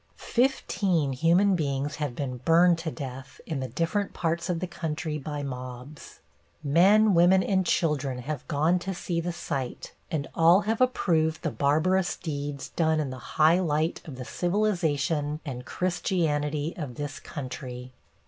Fifteen human beings have been burned to death in the different parts of the country by mobs. Men, women and children have gone to see the sight, and all have approved the barbarous deeds done in the high light of the civilization and Christianity of this country.